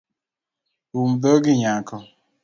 Um dhogi nyako